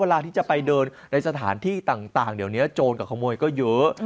เวลาที่จะไปเดินในสถานที่ต่างเดี๋ยวนี้โจรกับขโมยก็เยอะ